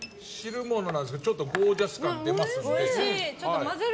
汁ものなんですけど、ちょっとゴージャス感が出ますので。